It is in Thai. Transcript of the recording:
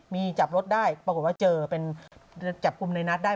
มีจับรถได้ปรากฏว่าเจอเป็นจับกลุ่มในนัดได้